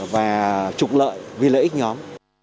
và trục lợi vì lợi ích nhóm